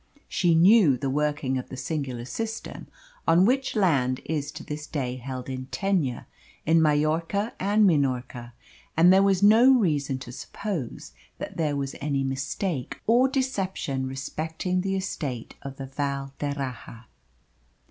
She knew the working of the singular system on which land is to this day held in tenure in Majorca and Minorca, and there was no reason to suppose that there was any mistake or deception respecting the estate of the Val d'Erraha.